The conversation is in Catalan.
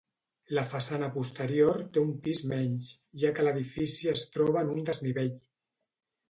La façana posterior té un pis menys, ja que l'edifici es troba en un desnivell.